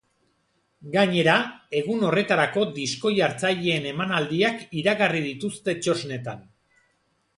Gainera, egun horretarako disko-jartzaileen emanaldiak iragarri dituzte txosnetan.